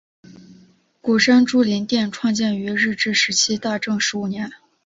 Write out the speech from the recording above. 鼓山珠灵殿创建于日治时期大正十五年。